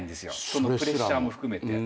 そのプレッシャーも含めて。